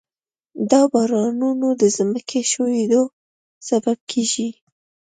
دا بارانونه د ځمکې ښویېدو سبب کېږي.